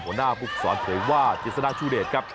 หัวหน้าภุตศรเผยวาเจสนาชูเดช